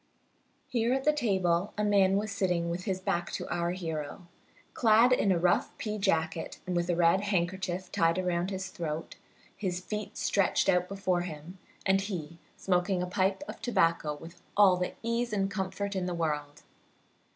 Here at the table a man was sitting with his back to our hero, clad in a rough pea jacket, and with a red handkerchief tied around his throat, his feet stretched out before him, and he smoking a pipe of tobacco with all the ease and comfort in the world.